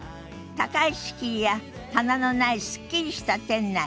高い敷居や棚のないすっきりした店内。